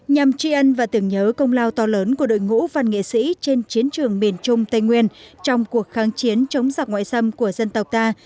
nhằm tri ân và tưởng nhớ công lao to lớn của đội ngũ văn nghệ sĩ trên chiến trường miền trung tây nguyên trong cuộc kháng chiến chống giặc ngoại xâm của dân tộc ta